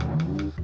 jadi malam mungkul